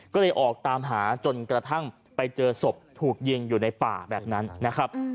ก็เลยออกตามหาจนกระทั่งไปเจอศพถูกยิงอยู่ในป่าแบบนั้นนะครับ